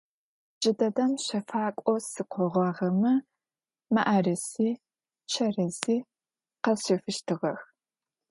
Джы дэдэм щэфакӏо сыкӏогъагъэмэ: мыӏэрыси, чэрэзи къэсщэфыщтыгъэх.